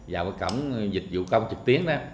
vào cổng dịch vụ công trực tiến